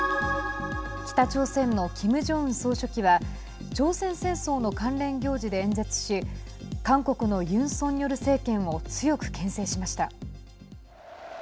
北朝鮮のキム・ジョンウン総書記は朝鮮戦争の関連行事で演説し韓国のユン・ソンニョル政権を強くけん制しました。